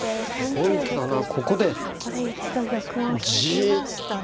ここで一度玉を引きましたね。